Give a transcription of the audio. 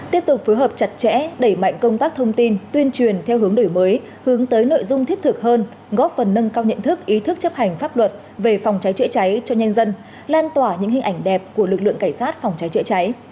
tiếp tục phối hợp chặt chẽ đẩy mạnh công tác thông tin tuyên truyền theo hướng đổi mới hướng tới nội dung thiết thực hơn góp phần nâng cao nhận thức ý thức chấp hành pháp luật về phòng cháy chữa cháy cho nhân dân lan tỏa những hình ảnh đẹp của lực lượng cảnh sát phòng cháy chữa cháy